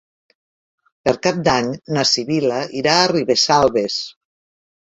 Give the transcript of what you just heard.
Per Cap d'Any na Sibil·la irà a Ribesalbes.